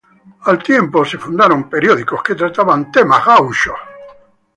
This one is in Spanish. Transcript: Al tiempo, se fundaron periódicos que trataban temas gauchos.